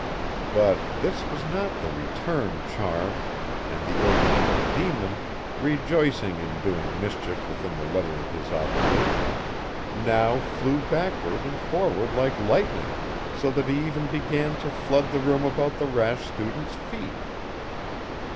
But this was not the "return charm," and the ill tempered demon, rejoicing in doing mischief within the letter of his obligation, now flew backward and forward like lightning, so that he even began to flood the room about the rash student's feet.